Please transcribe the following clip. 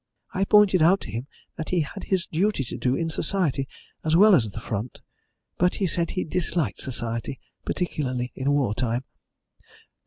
I pointed out to him that he had his duty to do in Society as well as at the front, but he said he disliked Society, particularly in war time.